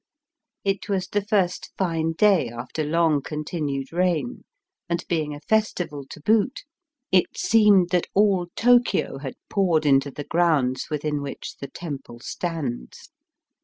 It was the first fine day after long continued rain, and being a festival to boot, it seemed that all Tokio had poured into the grounds within which the temple stands.